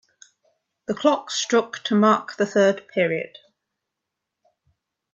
The clock struck to mark the third period.